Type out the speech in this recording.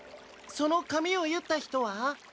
その髪を結った人は？